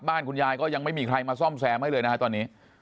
คุณยายก็ยังไม่มีใครมาซ่อมแซมให้เลยนะฮะตอนนี้